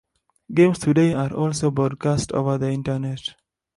Games today are also broadcast over the Internet.